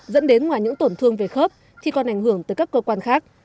dẫn đến ngoài những tổn thương về khớp thì còn ảnh hưởng tới các cơ quan khác